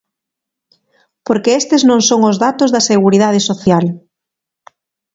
Porque estes non son os datos da Seguridade Social.